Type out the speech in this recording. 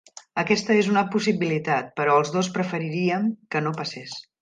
Aquesta és una possibilitat, però els dos preferiríem que no passés.